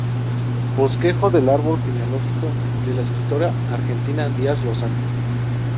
Bosquejo del árbol genealógico de la escritora Argentina Díaz Lozano.